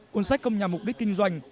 cuốn sách không nhằm mục đích kinh doanh